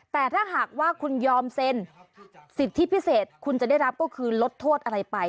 แต่ถ้าหากว่าคุณยอมเซ็นสิทธิพิเศษคุณจะได้รับก็คือลดโทษอะไรไป